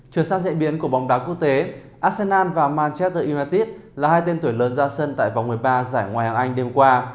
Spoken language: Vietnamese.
trường sát dạy biến của bóng đá quốc tế arsenal và manchester united là hai tên tuổi lớn ra sân tại vòng một mươi ba giải ngoài hàng anh đêm qua